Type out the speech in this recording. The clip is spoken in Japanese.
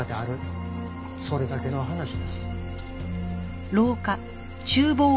それだけの話です。